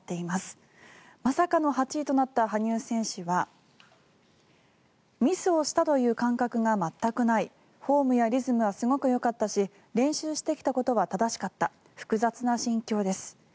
まさかの８位となった羽生選手はミスをしたという感覚が全くないフォームやリズムはすごくよかったし練習してきたことは正しかった複雑な心境です。